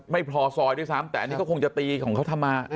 ไม่พอซอยด้วยซ้ำแต่อันนี้ก็คงจะตีของเขาทำมา